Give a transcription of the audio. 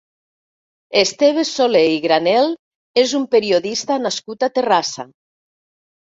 Esteve Soler i Granel és un periodista nascut a Terrassa.